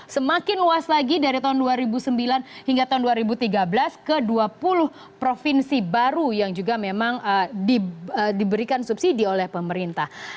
semakin luas lagi dari tahun dua ribu sembilan hingga tahun dua ribu tiga belas ke dua puluh provinsi baru yang juga memang diberikan subsidi oleh pemerintah